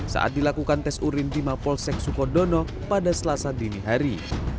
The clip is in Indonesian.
saat dilakukan tes urin di mapolsek sukodono pada selasa dini hari